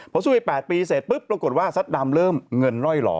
พอสู้ไป๘ปีเสร็จปุ๊บปรากฏว่าซัดดำเริ่มเงินล่อยหล่อ